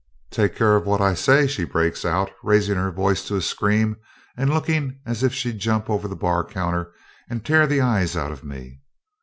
'Take care what I say!' she breaks out, rising her voice to a scream, and looking as if she'd jump over the bar counter and tear the eyes out of me.